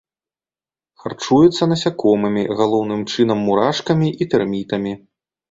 Харчуецца насякомымі, галоўным чынам мурашкамі і тэрмітамі.